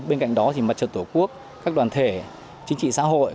bên cạnh đó thì mặt trận tổ quốc các đoàn thể chính trị xã hội